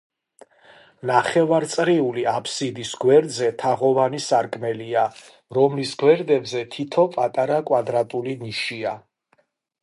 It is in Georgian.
ნახევარწრიული აფსიდის გვერდზე თაღოვანი სარკმელია, რომლის გვერდებზე თითო პატარა კვადრატული ნიშია.